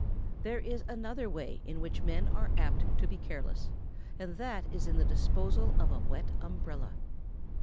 ] There is another way in which men are apt to be careless, and that is in the disposal of a wet umbrella.